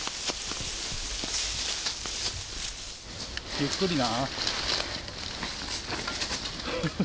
ゆっくりな。